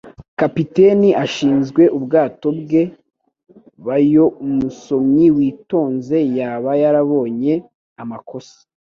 Kapiteni ashinzwe ubwato bwe nabakozi bayoUmusomyi witonze yaba yarabonye amakosa.